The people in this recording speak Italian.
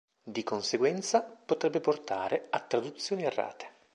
Di conseguenza, potrebbe portare a traduzioni errate.